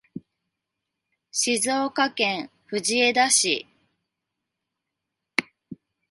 静岡県藤枝市